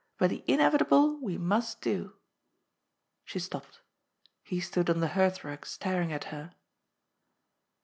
But the inevitable we must do." She stopped. He stood on the hearthrug staring at her.